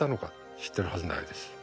知ってるはずないです。